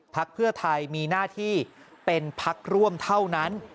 พักเพื่อไทยมีหน้าที่เป็นพักร่วมเท่านั้น